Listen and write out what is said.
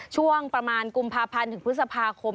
ช่วงประมาณกุมภาพันธ์ถึงพฤษภาคม